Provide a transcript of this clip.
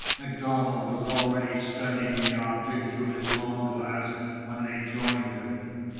MacDonald was already studying the object through his long glass when they joined him.